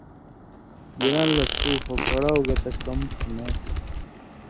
گِران لہ تُھو خو کڑاؤ گتہ کم تُھو نا